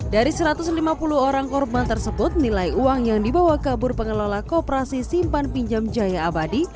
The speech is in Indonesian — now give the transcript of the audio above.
dari satu ratus lima puluh orang korban tersebut nilai uang yang dibawa kabur pengelola kooperasi simpan pinjam jaya abadi